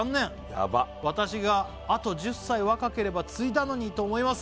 ヤバッ「私があと１０歳若ければ継いだのにと思います」